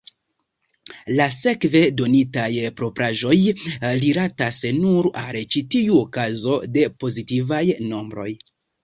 La sekve donitaj propraĵoj rilatas nur al ĉi tiu okazo de pozitivaj nombroj.